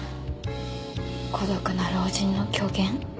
孤独な老人の虚言。